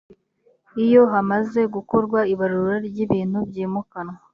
iyo hamaze gukorwa ibarura ry ibintu byimukanwa